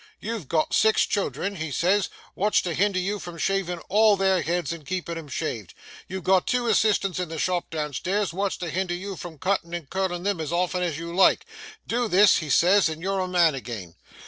you've got six children," he says, "wot's to hinder you from shavin' all their heads and keepin' 'em shaved? you've got two assistants in the shop down stairs, wot's to hinder you from cuttin' and curlin' them as often as you like? Do this," he says, "and you're a man agin."